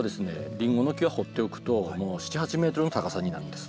リンゴの木は放っておくと７８ｍの高さになるんです。